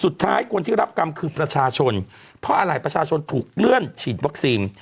คนที่รับกรรมคือประชาชนเพราะอะไรประชาชนถูกเลื่อนฉีดวัคซีน